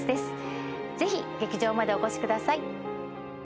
ぜひ劇場までお越しください。